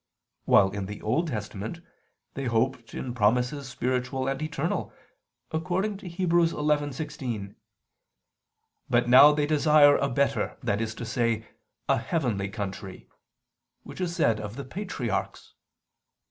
while in the Old Testament they hoped in promises spiritual and eternal, according to Heb. 11:16: "But now they desire a better, that is to say, a heavenly country," which is said of the patriarchs.